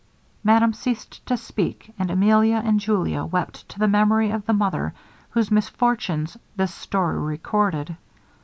Madame ceased to speak, and Emilia and Julia wept to the memory of the mother, whose misfortunes this story recorded.